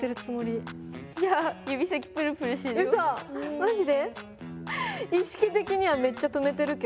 マジで？